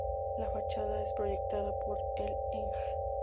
La fachada es proyectada por el Ing.